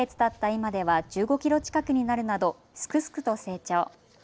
今では１５キロ近くになるなどすくすくと成長。